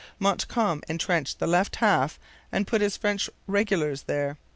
Montcalm entrenched the left half and put his French regulars there.